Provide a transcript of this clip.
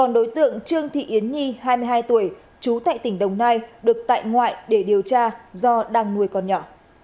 còn đối tượng trương thị yến nhi hai mươi hai tuổi trú tại tỉnh đồng nai được tại ngoại để điều tra do đang nuôi con nhỏ